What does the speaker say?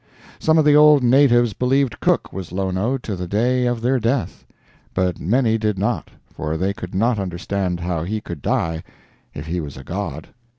Some of the old natives believed Cook was Lono to the day of their death; but many did not, for they could not understand how he could die if he was a god.